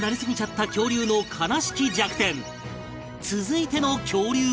続いての恐竜は